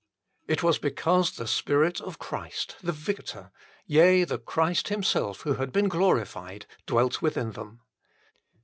It was because the Spirit of Christ, the Victor, yea, the Christ Himself, who had been glorified, dwelt within them.